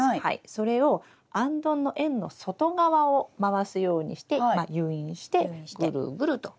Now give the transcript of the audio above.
それをあんどんの円の外側を回すようにして誘引してぐるぐると。